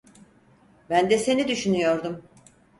Ben de seni düşünüyordum.